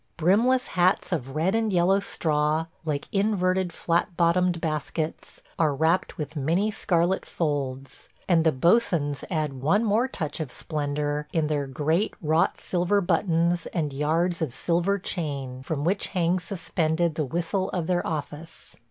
Brimless hats of red and yellow straw, like inverted flat bottomed baskets, are wrapped with many scarlet folds, and the boatswains add one more touch of splendor in their great wrought silver buttons and yards of silver chain, from which hangs suspended the whistle of their office.